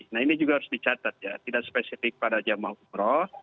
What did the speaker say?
nah ini juga harus dicatat ya tidak spesifik pada jamaah umroh